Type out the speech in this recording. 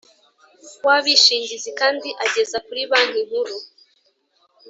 w abishingizi kandi ageza kuri Banki Nkuru